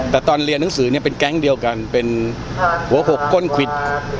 แต่ตอนเรียนหนังสือเนี่ยเป็นแก๊งเดียวกันเป็นหัวหกก้นควิด